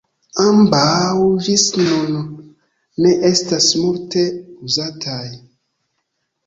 Ambaŭ ĝis nun ne estas multe uzataj.